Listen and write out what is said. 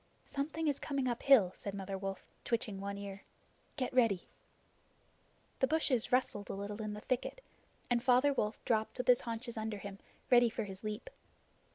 "Something is coming uphill," said Mother Wolf, twitching one ear. "Get ready." The bushes rustled a little in the thicket, and Father Wolf dropped with his haunches under him, ready for his leap.